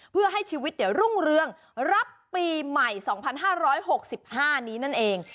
เพื่อให้ชีวิตรุ่งเรืองรับปีใหม่๒๕๖๕นี้นั่นเอง